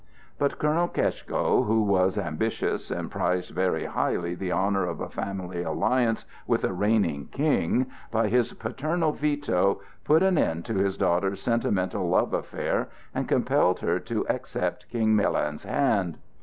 But Colonel Keschko, who was ambitious and prized very highly the honor of a family alliance with a reigning King, by his paternal veto put an end to his daughter's sentimental love affair and compelled her to accept King Milan's hand.